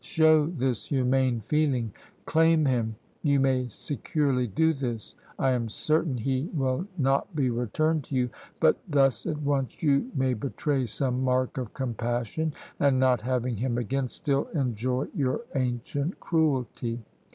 show this humane feeling, claim him! you may securely do this: I am certain he will not be returned to you; but thus at once you may betray some mark of compassion, and, not having him again, still enjoy your ancient cruelty!